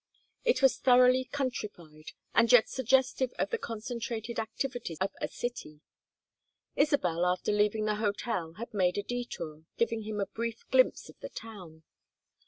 It was thoroughly countrified and yet suggestive of the concentrated activities of a city. Isabel, after leaving the hotel had made a detour, giving him a brief glimpse of the town.